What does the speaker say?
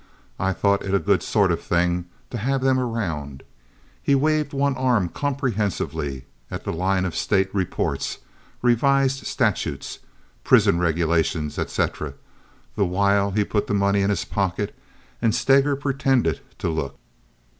I thought it a good sort of thing to have them around." He waved one arm comprehensively at the line of State reports, revised statutes, prison regulations, etc., the while he put the money in his pocket and Steger pretended to look.